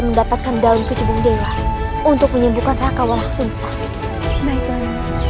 mendapatkan daun kecubung dewa untuk menyembuhkan raka walafsungsa baiklah